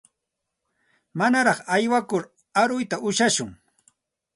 Manaraq aywakur aruyta ushashun.